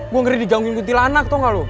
gue ngeri dijangkutin til anak tau gak lu